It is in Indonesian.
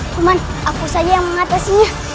cuma aku saja yang mengatasinya